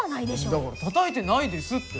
だからたたいてないですって！